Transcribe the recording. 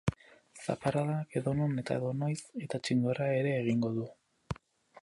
Zaparradak edonon eta edonoiz, eta txingorra ere egingo du.